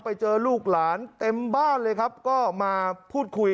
จริงนะครับไปเจอลูกหลานเต็มบ้านเลยครับก็มาพูดคุย